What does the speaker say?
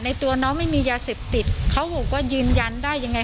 ตัวน้องไม่มียาเสพติดเขาบอกว่ายืนยันได้ยังไง